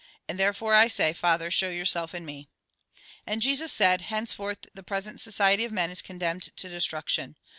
And therefore I say :' Father, show yourself in me.' " And Jesus said :" Henceforth the present society of men is condemned to destruction.